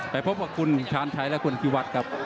ไปพบกับคุณชาญชัยและคุณพิวัฒน์ครับ